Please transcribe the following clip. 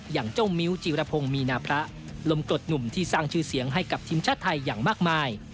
อย่างเจ้ามิ้วจีรพงศ์มีนาพระลมกรดหนุ่มที่สร้างชื่อเสียงให้กับทีมชาติไทยอย่างมากมาย